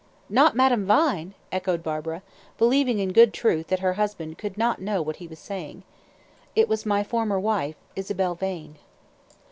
"Not Madame Vine!" echoed Barbara, believing in good truth that her husband could not know what he was saying. "It was my former wife, Isabel Vane."